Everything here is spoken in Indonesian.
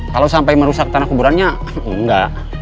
kalau sampai merusak tanah kuburannya enggak